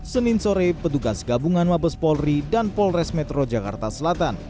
senin sore petugas gabungan mabes polri dan polres metro jakarta selatan